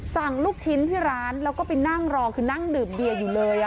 ลูกชิ้นที่ร้านแล้วก็ไปนั่งรอคือนั่งดื่มเบียร์อยู่เลย